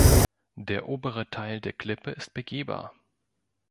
Der obere Teil der Klippe ist begehbar.